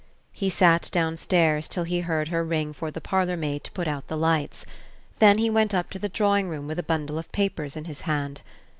He sat downstairs till he heard her ring for the parlor maid to put out the lights; then he went up to the drawing room with a bundle of papers in his hand.